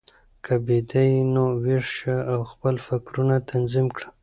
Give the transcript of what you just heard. که بیده یې، نو ویښ شه او خپل فکرونه تنظیم کړه.